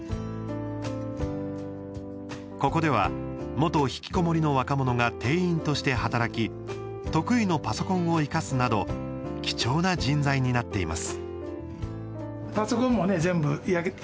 ここでは元ひきこもりの若者が店員として働き得意のパソコンを生かすなど貴重な人材になっています。